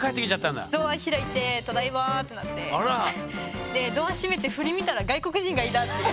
ドア開いて「ただいま」ってなってでドア閉めて振り向いたら外国人がいたっていう。